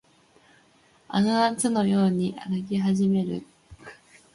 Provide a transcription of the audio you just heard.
あの夏のように歩き始める